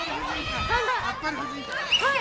はい！